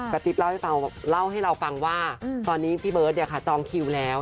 ประติภเล่าให้เราฟังว่าตอนนี้พี่เบิร์ตเดี๋ยวค่ะจองคิวแล้ว